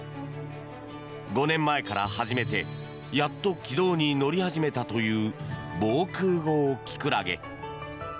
５年前から始めてやっと軌道に乗り始めたという防空壕きくらげ。